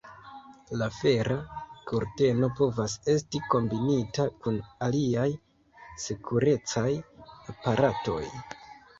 La fera kurteno povas esti kombinita kun aliaj sekurecaj aparatoj.